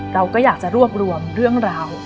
เราก็อยากจะรวบรวมเรื่องราว